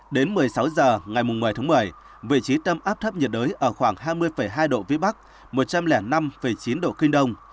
đến một mươi sáu h ngày một mươi tháng một mươi vị trí tâm áp thấp nhiệt đới ở khoảng hai mươi hai độ vĩ bắc một trăm linh năm chín độ kinh đông